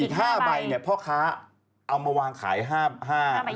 อีก๕ใบเภาะค้าเอามาวางขาย๕ใบ